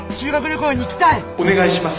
お願いします。